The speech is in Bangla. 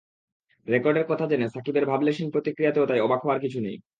রেকর্ডের কথা জেনে সাকিবের ভাবলেশহীন প্রতিক্রিয়াতেও তাই অবাক হওয়ার কিছু নেই।